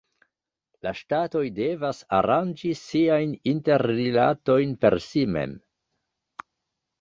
La ŝtatoj devas aranĝi siajn interrilatojn per si mem.